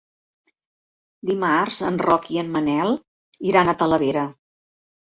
Dimarts en Roc i en Manel iran a Talavera.